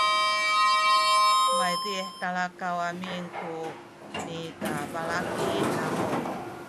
maydih talakaw amin ku nikabalaki namu